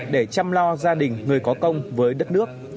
để chăm lo gia đình người có công với đất nước